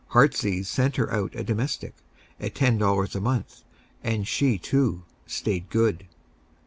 Heartsease sent her out a domestic, at ten dollars a month, and she, too, "stayed good."